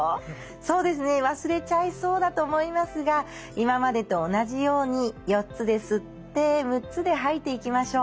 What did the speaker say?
そうですね忘れちゃいそうだと思いますが今までと同じように４つで吸って６つで吐いていきましょう。